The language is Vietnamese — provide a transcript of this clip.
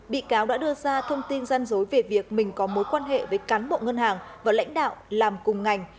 bị cáo đã đưa ra thông tin gian dối về việc mình có mối quan hệ với cán bộ ngân hàng và lãnh đạo làm cùng ngành